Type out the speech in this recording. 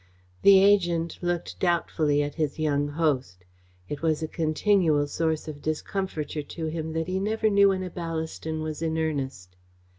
The agent looked doubtfully at his young host. It was a continual source of discomfiture to him that he never knew when a Ballaston was in earnest.